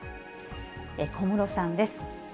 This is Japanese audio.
小室さんです。